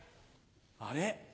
あれ？